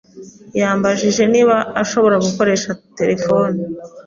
Yambajije niba ashobora gukoresha terefone.